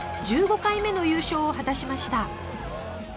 １５回目の優勝を果たしました。